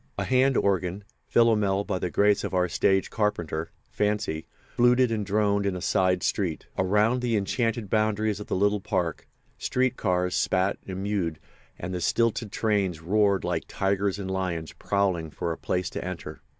A hand organ—Philomel by the grace of our stage carpenter, Fancy—fluted and droned in a side street. Around the enchanted boundaries of the little park street cars spat and mewed and the stilted trains roared like tigers and lions prowling for a place to enter.